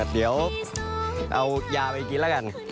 เดี๋ยวเอายาไปกินแล้วกัน